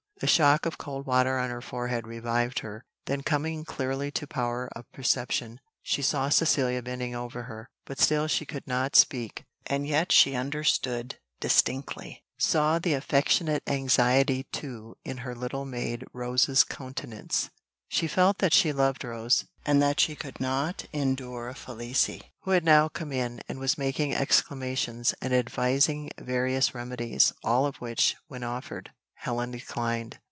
The shock of cold water on her forehead revived her; then coming clearly to power of perception, she saw Cecilia bending over her. But still she could not speak, and yet she understood distinctly, saw the affectionate anxiety, too, in her little maid Rose's countenance; she felt that she loved Rose, and that she could not endure Felicie, who had now come in, and was making exclamations, and advising various remedies, all of which, when offered, Helen declined.